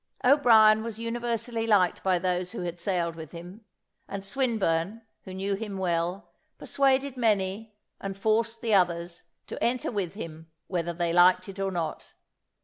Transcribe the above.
O'Brien was universally liked by those who had sailed with him; and Swinburne, who knew him well, persuaded many, and forced the others, to enter with him, whether they liked it or not.